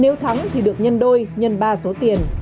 nếu thắng thì được nhân đôi nhân ba số tiền